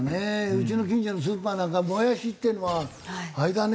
うちの近所のスーパーなんかもやしっていうのはあれだね